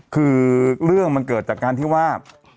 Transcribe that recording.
คือเรื่องมันเกิดจากการที่ว่า